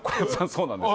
そうなんです